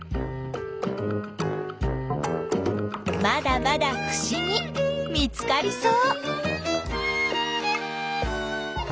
まだまだふしぎ見つかりそう。